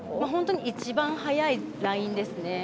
本当に一番速いラインですね。